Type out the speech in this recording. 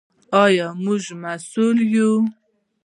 آیا موږ مسوول یو؟